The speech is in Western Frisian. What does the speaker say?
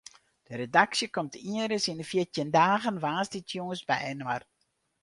De redaksje komt ienris yn de fjirtjin dagen woansdeitejûns byinoar.